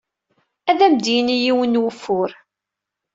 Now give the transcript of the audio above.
Ad am-d-yini yiwen n wufur.